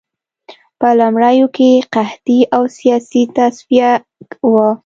په لومړیو کې قحطي او سیاسي تصفیه وه